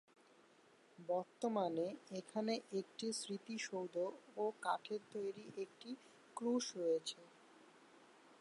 বর্তমানে এখানে একটি স্মৃতিসৌধ ও কাঠের তৈরি একটি ক্রুশ রয়েছে।